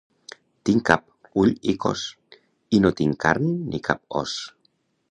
Tinc cap, ull i cos, i no tinc carn ni cap os.